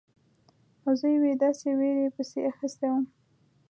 او زه یوې داسې ویرې پسې اخیستی وم.